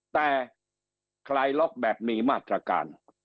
แต่คลายล็อกแบบมีมาตรการ